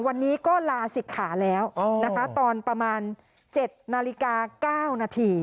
วันนี้ก็ลาศิกขาแล้วนะคะตอนประมาณ๗นาฬิกา๙นาที